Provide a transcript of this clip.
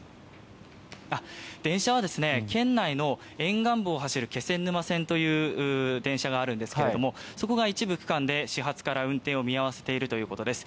電車は県内の沿岸部を走る気仙沼線という電車があるんですがそこが一部区間で始発から運転を見合わせているということです。